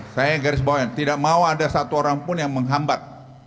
saya garis bawah tidak mau ada satu orang pun yang menghambat